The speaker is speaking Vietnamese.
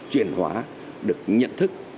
chuyển hóa được nhận thức